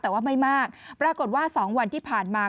แต่ว่าไม่มากปรากฏว่า๒วันที่ผ่านมา